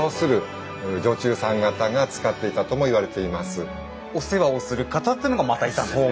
階段の上にあったのはお世話をする方っていうのがまたいたんですね。